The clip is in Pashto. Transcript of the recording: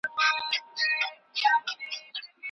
شمعي که بلېږې نن دي وار دی بیا به نه وینو